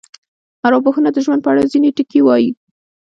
ارواپوهنه د ژوند په اړه ځینې ټکي وایي.